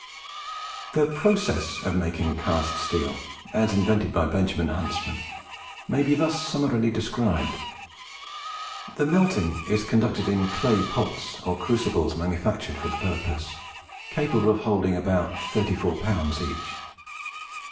The process of making cast steel, as invented by Benjamin Huntsman, may be thus summarily described. The melting is conducted in clay pots or crucibles manufactured for the purpose, capable of holding about 34 lbs. each.